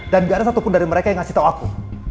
dan gak ada satupun dari mereka yang ngasih tau aku